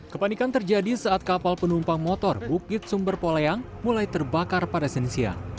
kepanikan terjadi saat kapal penumpang motor bukit sumber poleang mulai terbakar pada sensia